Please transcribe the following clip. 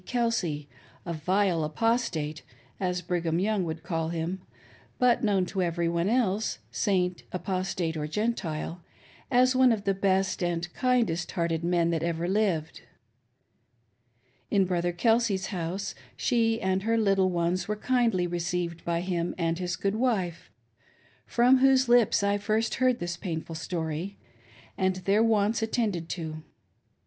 Kelsey — a " vile apostate " as Brigham Young would call him ; but known to every one else. Saint, Apostate, or Gentile, as one of the best and kindest hearted men that ever lived. In Brother Kelsey's house, she and her little ones were kindly received by him and his good wife — from whose lips I first heard this painful story^and their wants attended to.